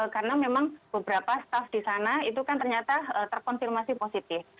karena memang beberapa staff di sana itu kan ternyata terkonfirmasi positif